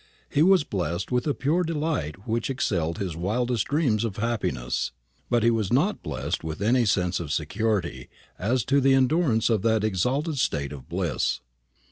He was blest with a pure delight which excelled his wildest dreams of happiness; but he was not blest with any sense of security as to the endurance of that exalted state of bliss.